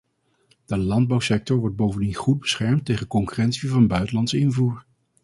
De landbouwsector wordt bovendien goed beschermd tegen concurrentie van buitenlandse invoer.